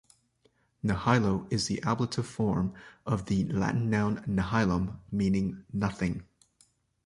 'Nihilo' is the ablative form of the Latin noun 'nihilum' meaning 'Nothing'.